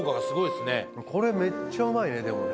これめっちゃうまいねでもね。